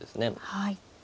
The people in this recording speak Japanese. はい。